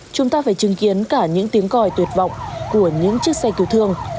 chúng ta phải chứng kiến cả những tiếng còi tuyệt vọng của những chiếc xe cứu thương